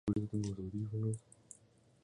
Los barcos de guerra tenían un ariete en frente.